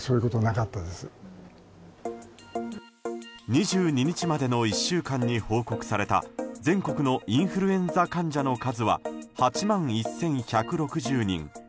２２日までの１週間に報告された全国のインフルエンザ患者の数は８万１１６０人。